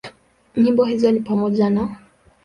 Nyimbo hizo ni pamoja na;